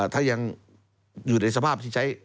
ถ้ายังอยู่ในสภาพที่ใช้